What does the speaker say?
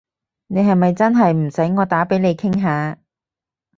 你係咪真係唔使我打畀你傾下？